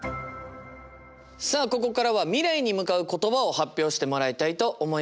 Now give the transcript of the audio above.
さあここからは未来に向かう言葉を発表してもらいたいと思います。